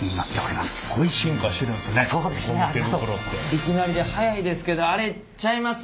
いきなりで早いですけどあれちゃいます？